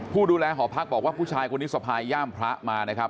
ผู้ดูแลหอพักบอกว่าผู้ชายคนนี้สะพายย่ามพระมานะครับ